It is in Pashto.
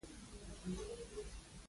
انسان دی د سلو او زرو غلطیو ځای به وي.